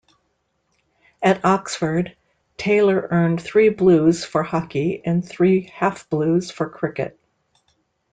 At Oxford, Taylor earned three blues for hockey, and three half blues for cricket.